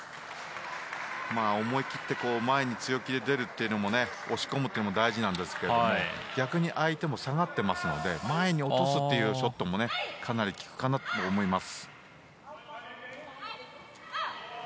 思い切って前に強気で出るという押し込むというのも大事なんですけど逆に相手も下がっていますので前に落とすショットもかなり効くかなと思います。